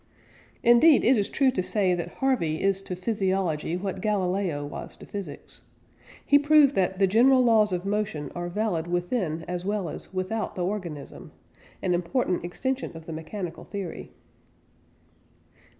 Indeed it is true to say that Harvey "is to physiology what Galileo was to physics." He proved that "the general laws of motion are valid within as well as without the organism" an important extension of the mechanical theory.